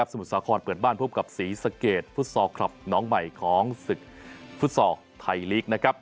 มุทรสาครเปิดบ้านพบกับศรีสะเกดฟุตซอลคลับน้องใหม่ของศึกฟุตซอลไทยลีกนะครับ